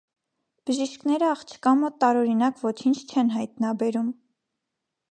Բժիշկները աղջկա մոտ տարօրինակ ոչինչ չեն հայտնաբերում։